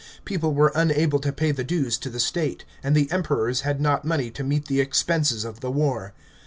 People were unable to pay the dues to the state, and the Emperors had not money to meet the expenses of the war.